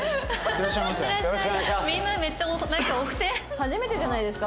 初めてじゃないですか？